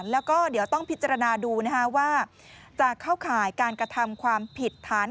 แล้วก็เดี๋ยวต้องพิจารณาดูว่าจะเข้าข่ายการกระทำความผิดฐาน